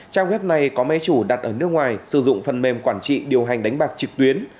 trang web này có máy chủ đặt ở nước ngoài sử dụng phần mềm quản trị điều hành đánh bạc trực tuyến